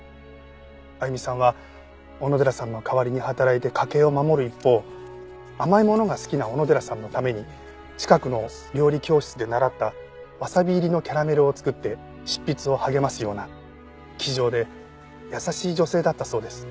亜由美さんは小野寺さんの代わりに働いて家計を守る一方甘いものが好きな小野寺さんのために近くの料理教室で習ったわさび入りのキャラメルを作って執筆を励ますような気丈で優しい女性だったそうです。